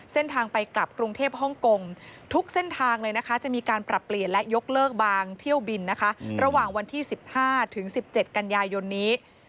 เส้นทางไปกลับกรุงเทพฮ่องกงทุกเส้นทางเลยนะคะจะมีการปรับเปลี่ยนและยกเลิกบางเที่ยวบินนะคะระหว่างวันที่๑๕ถึง๑๗กันยายนนี้